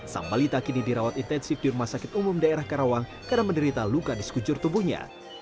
sang balita kini dirawat intensif di rumah sakit umum daerah karawang karena menderita luka di sekujur tubuhnya